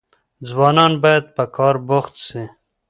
ځوانان بايد په کار بوخت سي.